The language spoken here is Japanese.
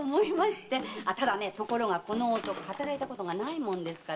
ただねところがこの男働いたことがないもんですからね